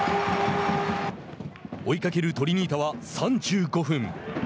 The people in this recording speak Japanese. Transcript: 追いかけるトリニータは３５分。